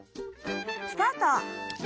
スタート！